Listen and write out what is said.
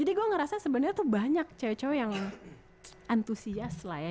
jadi gue ngerasa sebenarnya tuh banyak cewek cewek yang antusias lah ya